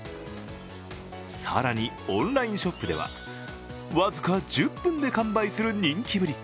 更にオンラインショップでは僅か１０分で完売する人気ぶり。